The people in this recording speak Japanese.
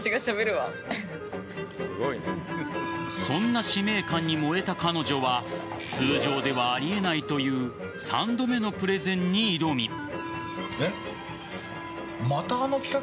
そんな使命感に燃えた彼女は通常ではありえないという３度目のプレゼンに挑み。